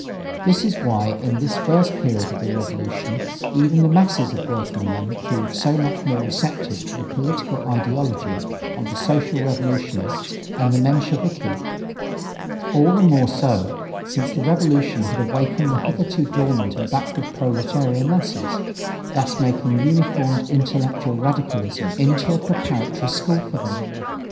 This is why in this first period of the revolution even the masses of workingmen proved so much more receptive to the political ideology of the Social Revolutionists and the Mensheviki. All the more so, since the revolution had awakened the hitherto dormant and backward proletarian masses, thus making uninformed intellectual radicalism into a preparatory school for them.